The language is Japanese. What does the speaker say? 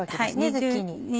ズッキーニ。